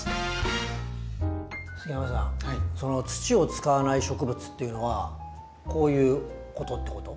杉山さんその土を使わない植物っていうのはこういうことってこと？